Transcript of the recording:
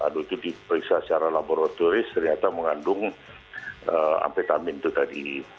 di periksa secara laboratoris ternyata mengandung amfetamin itu tadi